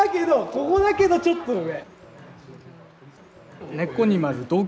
ここだけどちょっと上。